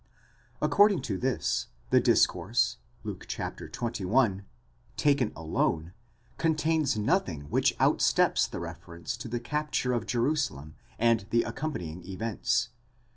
According to this, the discourse, Luke xxi., taken alone, contains nothing which outsteps the reference to the capture of Jeru salem and the accompanying events.